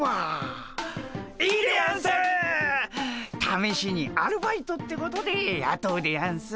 ためしにアルバイトってことでやとうでやんす。